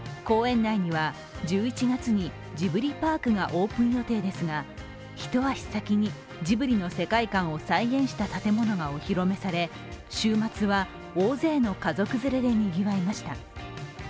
公園内には１１月にジブリパークがオープン予定ですが一足先にジブリの世界観を再現した建物がお披露目され、週末は、大勢の家族連れでにぎわいました。